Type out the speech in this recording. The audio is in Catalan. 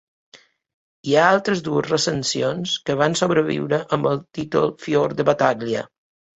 Hi ha altres dues recensions que van sobreviure amb el títol "Fior di Battaglia".